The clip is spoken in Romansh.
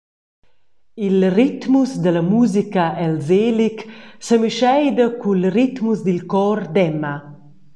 Il ritmus dalla musica el Selig semischeida cun il ritmus dil cor d’Emma.